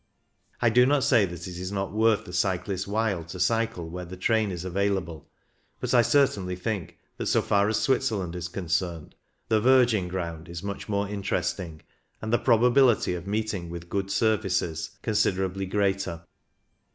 I do not say that it is not worth the cyclist's while to cycle where the train is available, but I certainly think that, so far as Switzerland is concerned, the virgin ground is much more interesting and the probability of meeting with good surfaces considerably greater.